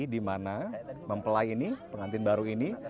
dimana mempelai ini pengantin baru ini